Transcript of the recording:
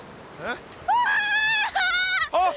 あっ！